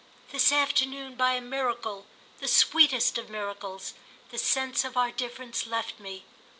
This afternoon, by a miracle, the sweetest of miracles, the sense of our difference left me.